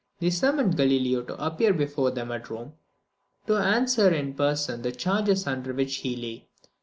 They summoned Galileo to appear before them at Rome, to answer in person the charges under which he lay.